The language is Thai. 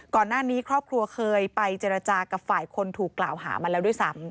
ครอบครัวเคยไปเจรจากับฝ่ายคนถูกกล่าวหามาแล้วด้วยซ้ำ